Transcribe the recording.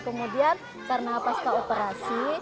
kemudian karena pas ke operasi